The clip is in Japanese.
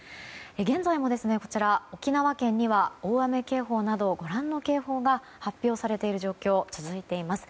現在も沖縄県には大雨警報などご覧の警報が発表されている状況が続いています。